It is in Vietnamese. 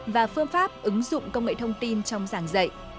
và phương pháp ứng dụng công nghệ thông tin trong giảng dạy